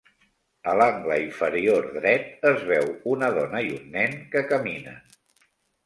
A l'angle inferior dret es veu una dona i un nen que caminen.